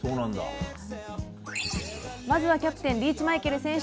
まずは、キャプテンリーチマイケル選手。